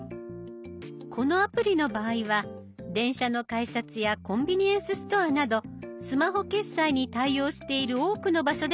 このアプリの場合は電車の改札やコンビニエンスストアなどスマホ決済に対応している多くの場所で使えます。